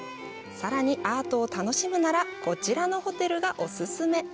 さらに、アートを楽しむならこちらのホテルがお勧め。